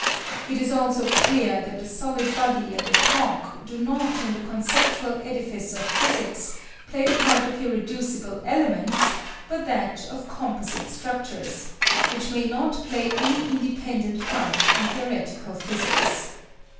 It is also clear that the solid body and the clock do not in the conceptual edifice of physics play the part of irreducible elements, but that of composite structures, which may not play any independent part in theoretical physics.